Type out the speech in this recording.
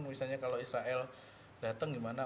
misalnya kalau israel datang gimana